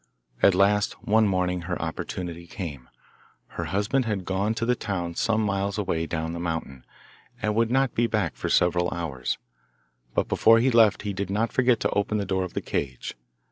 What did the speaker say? At last, one morning her opportunity came. Her husband had gone to the town some miles away down the mountain, and would not be back for several hours, but before he left he did not forget to open the door of the cage.